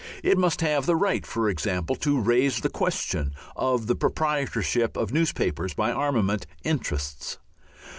It must have the right, for example, to raise the question of the proprietorship of newspapers by armament interests.